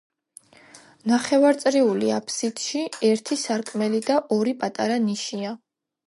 ნახევარწრიული აფსიდში ერთი სარკმელი და ორი პატარა ნიშია.